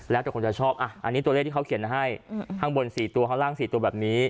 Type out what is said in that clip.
แล้วแต่คนจะชอบอันนี้ตัวเลขที่เขาเขียนให้ข้างบน๔ตัวข้างล่าง๔ตัวแบบนี้